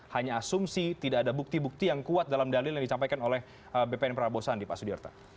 hanya asumsi tidak ada bukti bukti yang kuat dalam dalil yang disampaikan oleh bpn prabowo sandi pak sudirta